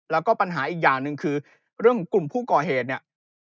แล้วก็ปัญหาอีกอย่างหนึ่งคือเรื่องของกลุ่มผู้ก่อเหตุเนี่ย